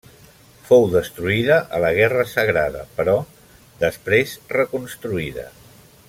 Fou destruïda a la guerra sagrada però després reconstruïda.